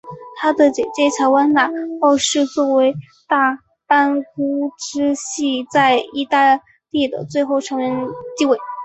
他的姐姐乔万娜二世作为大安茹支系在意大利的最后成员继位。